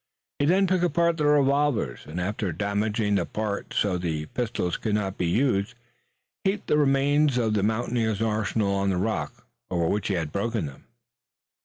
He then took apart the revolvers and after damaging the parts so that the pistols could not be used heaped the remains of the mountaineers' arsenal on the rock over which he had broken them.